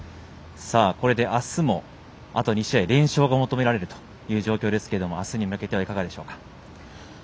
これであすもあと２試合、連勝が求められるという状況ですがあすに向けて、いかがでしょうか。